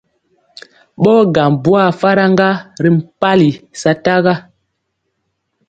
Ɓɔɔ gaŋ bwaa faraŋga ri mpali sataga.